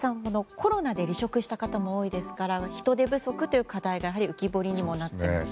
コロナで離職した方も多いですから人手不足という課題が浮き彫りになっていますね。